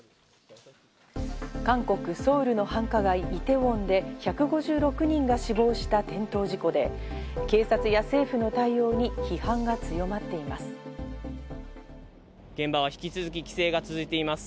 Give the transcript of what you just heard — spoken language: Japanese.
韓国・ソウルの繁華街イテウォンで１５６人が死亡した転倒事故で警察や政府の対応に批判が強まっています。